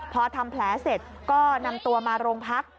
พอทำแผลเสร็จก็นำตัวมาโรงพัก